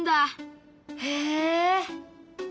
へえ。